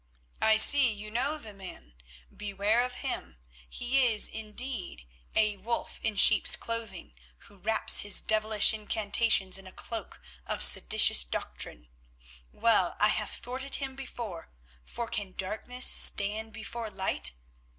"I see you know the man. Beware of him. He is, indeed, a wolf in sheep's clothing, who wraps his devilish incantations in a cloak of seditious doctrine. Well, I have thwarted him before, for can Darkness stand before Light?